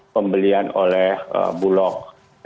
pembelian oleh bulog